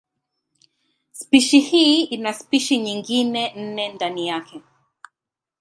Spishi hii ina spishi nyingine nne ndani yake.